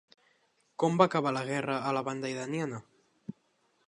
Com va acabar la guerra a la banda iraniana?